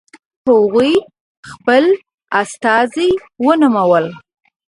هغوی خپل استازي ونومول.